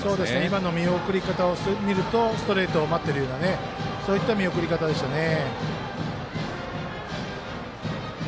今の見送り方を見るとストレートを待っているような見送り方でしたね。